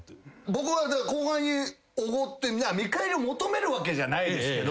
僕は後輩におごって見返りを求めるわけじゃないですけど。